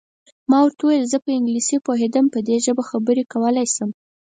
ما ورته وویل: زه په انګلیسي پوهېږم، په دې ژبه خبرې کولای شم.